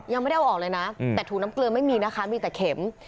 ยังไม่ได้เอาออกเลยนะแต่ถุงน้ำเกลือไม่มีนะคะมีแต่เข็ม